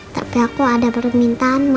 tapi aku ada permintaan maaf